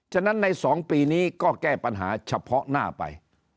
ฉะนั้นใน๒ปีนี้ก็แก้ปัญหาเฉพาะหน้าไป